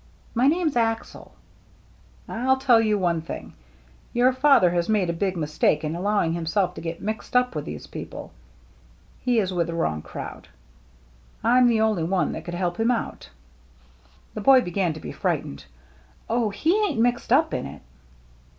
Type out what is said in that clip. My name's Axel." "I'll tell you one thing. Your father has made a bad mistake in allowing himself to get mixed up with these people. He is with the wrong crowd. I'm the only one that could help him out." The boy began to be frightened. "Oh, he ain't mixed up in it